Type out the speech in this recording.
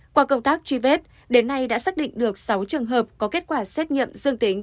qua công tác truy vết đến nay đã xác định được sáu trường hợp có kết quả xét nghiệm dương tính